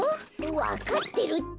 わかってるって！